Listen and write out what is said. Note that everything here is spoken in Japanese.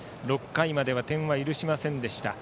６回までは点は許しませんでした。